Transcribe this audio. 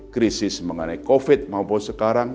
krisis mengenai covid maupun sekarang